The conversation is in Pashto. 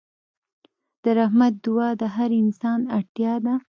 د رحمت دعا د هر انسان اړتیا ده.